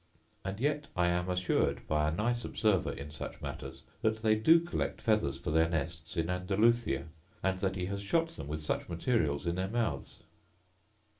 And yet I am assured, by a nice observer in such matters, that they do collect feathers for their nests in Andalusia; and that he has shot them with such materials in their mouths.